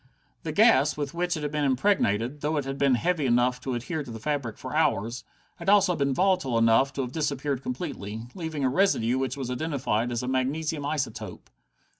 The gas with which it had been impregnated, though it had been heavy enough to adhere to the fabric for hours, had also been volatile enough to have disappeared completely, leaving a residue which was identified as a magnesium isotope.